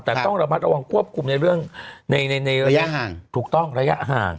แต่ต้องระมัดระวังควบคุมในเรื่องในระยะห่างถูกต้องระยะห่าง